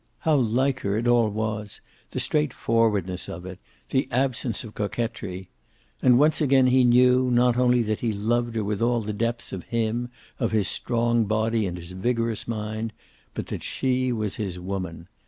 How like her it all was, the straightforwardness of it, the absence of coquetry. And once again he knew, not only that he loved her with all the depths of him, of his strong body and his vigorous mind, but that she was his woman.